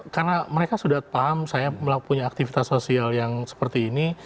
karena mereka sudah paham saya punya aktivitas sosial yang seperti ini